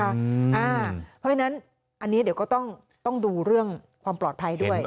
เพราะฉะนั้นอันนี้เดี๋ยวก็ต้องดูเรื่องความปลอดภัยด้วย